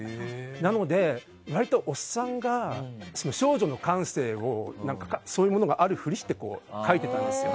なので、割とオッサンがしかも、少女の感性とかそういうものがあるふりをして描いていたんですよ。